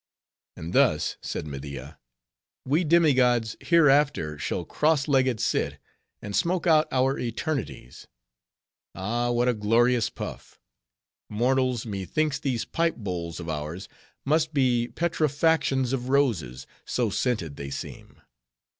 "And thus," said Media, "we demi gods hereafter shall cross legged sit, and smoke out our eternities. Ah, what a glorious puff! Mortals, methinks these pipe bowls of ours must be petrifactions of roses, so scented they seem.